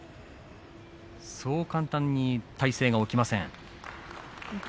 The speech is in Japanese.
そう簡単に体勢が起きません。